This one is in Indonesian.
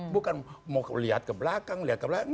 bukan mau lihat ke belakang lihat ke belakang